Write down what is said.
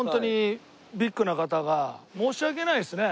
申し訳ないですね。